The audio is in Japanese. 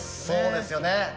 そうですよね。